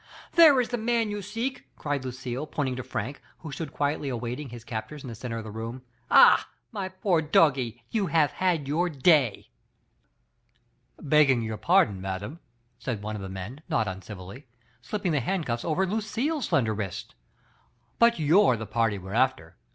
"There is the man you seek,*' cried Lucille, pointing to Frank, who stood quietly awaiting his captors in the center of the room. Ah, my poor Doggie, you have had your day !" "Begging your pardon, madame," said one of the men, not uncivilly, slipping the handcuffs over Digitized by Google p. ANSTEY, 3»7 LuciUe's slender wrists, "but you're the party we're after.